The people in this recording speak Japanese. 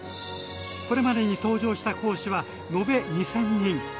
これまでに登場した講師は延べ２，０００人！